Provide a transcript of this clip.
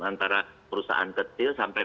antara perusahaan kecil sampai